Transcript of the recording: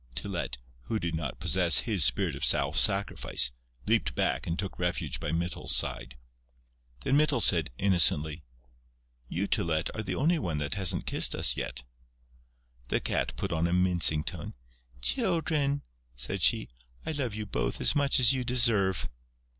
Tylette, who did not possess his spirit of self sacrifice, leaped back and took refuge by Mytyl's side. Then Mytyl said, innocently: "You, Tylette, are the only one that hasn't kissed us yet." The Cat put on a mincing tone: "Children," said she, "I love you both as much as you deserve."